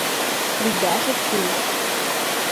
— Лӱдаш ок кӱл.